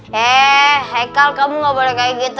heee hekal kamu nggak boleh kaya gitu